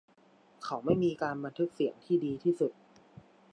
เขาไม่มีการบันทึกเสียงที่ดีที่สุด